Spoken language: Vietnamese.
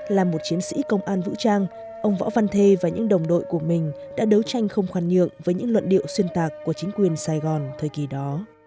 là một chiến sĩ công an vũ trang ông võ văn thê và những đồng đội của mình đã đấu tranh không khoan nhượng với những luận điệu xuyên tạc của chính quyền sài gòn thời kỳ đó